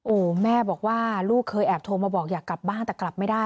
โอ้โหแม่บอกว่าลูกเคยแอบโทรมาบอกอยากกลับบ้านแต่กลับไม่ได้